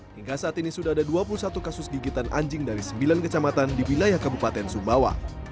hingga saat ini sudah ada dua puluh satu kasus gigitan anjing dari sembilan kecamatan di wilayah kabupaten sumbawa